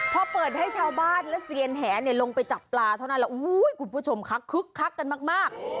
พอเปิดให้ชาวบ้านและเซียนแหลงไปจับปลาเท่านั้นแล้วคุณผู้ชมคะคึกคักกันมาก